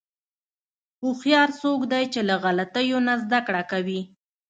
هوښیار څوک دی چې له غلطیو نه زدهکړه کوي.